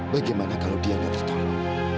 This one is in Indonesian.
bagaimana kalau dia tidak tertolong